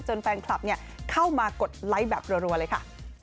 แฟนคลับเข้ามากดไลค์แบบรัวเลยค่ะ